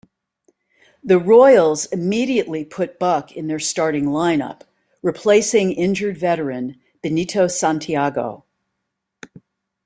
The Royals immediately put Buck in their starting lineup, replacing injured veteran Benito Santiago.